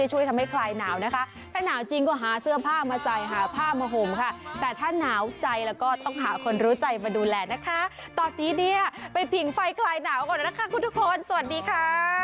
ใจหาผ้ามห่มค่ะแต่ถ้าหนาวใจแล้วก็ต้องหาคนรู้ใจมาดูแลนะคะตอนนี้เนี่ยไปผิงไฟกลายหนาวก่อนนะคะคุณทุกคนสวัสดีค่ะ